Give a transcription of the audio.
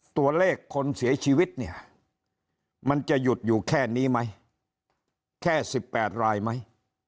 ตัวเลขคนเสียชีวิตเนี่ยมันจะหยุดอยู่แค่นี้ไหมแค่๑๘รายไหม